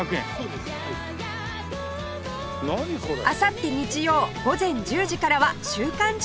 あさって日曜午前１０時からは『週刊！